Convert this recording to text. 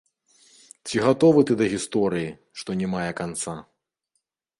Ці гатовы ты да гісторыі, што не мае канца?